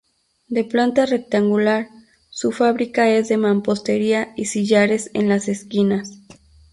De planta rectangular, su fábrica es de mampostería y sillares en las esquinas.